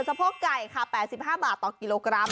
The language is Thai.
โพกไก่ค่ะ๘๕บาทต่อกิโลกรัม